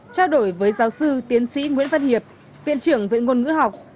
trao đổi với giáo sư tiến sĩ nguyễn văn hiệp viện trưởng viện ngôn ngữ học